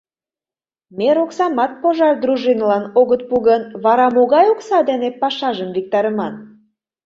Мер оксамат пожар дружинылан огыт пу гын, вара могай окса дене пашажым виктарыман?